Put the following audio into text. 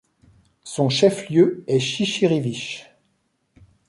Son chef-lieu est Chichiriviche.